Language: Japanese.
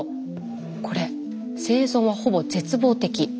これ生存はほぼ絶望的。